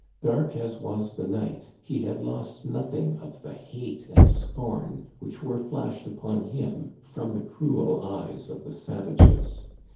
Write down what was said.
Dark as was the night, he had lost nothing of the hate and scorn which were flashed upon him from the cruel eyes of the savages.